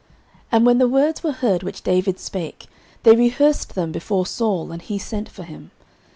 09:017:031 And when the words were heard which David spake, they rehearsed them before Saul: and he sent for him.